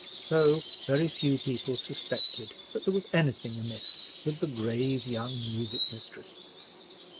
So, very few people suspected that there was anything amiss with the grave young music mistress.